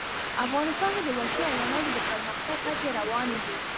افغانستان کې د وحشي حیوانات د پرمختګ هڅې روانې دي.